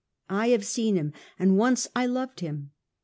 I have seen him and once I loved him.